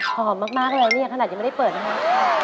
หอมมากเลยขนาดยังไม่ได้เปิดนะคะ